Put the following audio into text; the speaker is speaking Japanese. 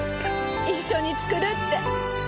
一緒に作るって。